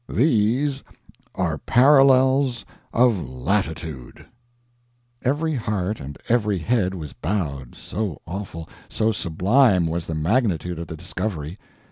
These are parallels of latitude!" Every heart and every head was bowed, so awful, so sublime was the magnitude of the discovery.